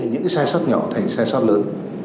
những sai sót nhỏ thành sai sót lớn